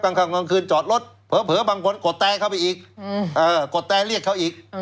กลางคืนจอดรถเผลอบางคนกดแตรเข้าไปอีกกดแตรเรียกเขาอีก